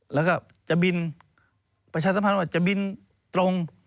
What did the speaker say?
แล้วก็จะประชาสัมพันธ์จะบินตรง